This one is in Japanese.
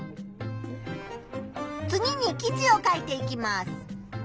次に記事を書いていきます。